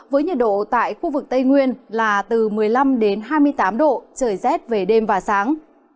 với nhiệt độ tại khu vực tây nguyên là từ một mươi năm đến hai mươi tám độ trời rét về đêm và sáng